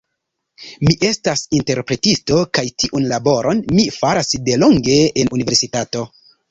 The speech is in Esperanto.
Mi estas interpretisto kaj tiun laboron mi faras delonge en universitato.